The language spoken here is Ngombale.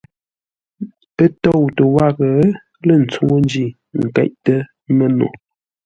Ə́ tóutə́ wághʼə lə́ ntsúŋú ńjí nkéʼtə́ mə́no.